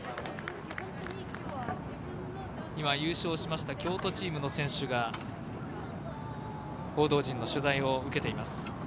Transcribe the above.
今、優勝しました京都チームの選手たちが報道陣の取材を受けています。